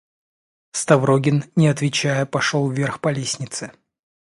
Ставрогин, не отвечая, пошел вверх по лестнице.